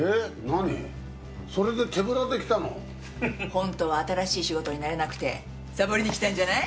本当は新しい仕事に慣れなくてサボりに来たんじゃない？